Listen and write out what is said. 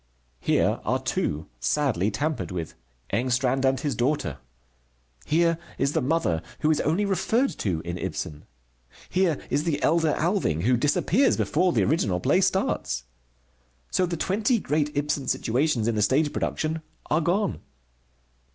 Here are two, sadly tampered with: Engstrand and his daughter. Here is the mother, who is only referred to in Ibsen. Here is the elder Alving, who disappears before the original play starts. So the twenty great Ibsen situations in the stage production are gone.